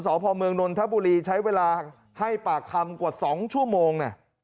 สพเมืองนนทบุรีใช้เวลาให้ปากคำกว่า๒ชั่วโมง